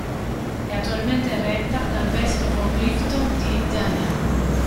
È attualmente retta dal vescovo Clifton D. Daniel.